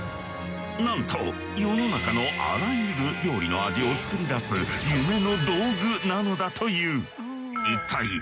なんと世の中のあらゆる料理の味を作り出す夢の道具なのだという。